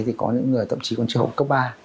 thì có những người tậm chí còn trẻ hộp cấp ba